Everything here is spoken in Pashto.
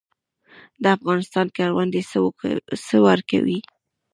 د افغانستان کروندې څه ورکوي؟